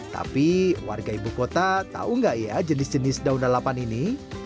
tapi warga ibu kota tahu nggak ya jenis jenis daun lalapan ini